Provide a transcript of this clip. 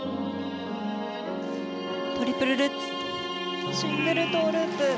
トリプルルッツシングルトウループ。